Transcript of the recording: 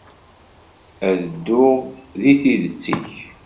Ad dduɣ di tidet-ik.